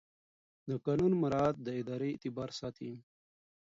د قانون مراعات د ادارې اعتبار ساتي.